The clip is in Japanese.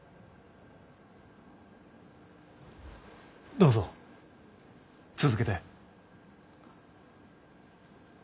どうぞ続けて。